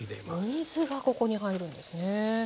お水がここに入るんですね。